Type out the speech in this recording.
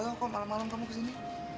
ada apa kok malam malam kamu kesini